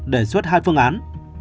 đề xuất hai phương án